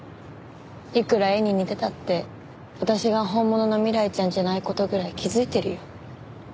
いくら絵に似てたって私が本物の未来ちゃんじゃない事ぐらい気づいてるよ。